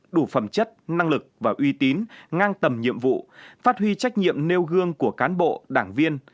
đủ phẩm chất năng lực và uy tín ngang tầm nhiệm vụ phát huy trách nhiệm nêu gương của cán bộ đảng viên